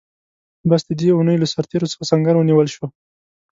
بس د دې اوونۍ له سرتېرو څخه سنګر ونیول شو.